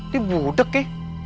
dia budek ya